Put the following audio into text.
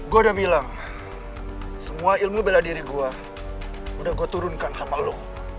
gue udah bilang semua ilmu bela diri gue udah gue turunkan sama lo